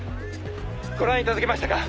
「ご覧頂けましたか？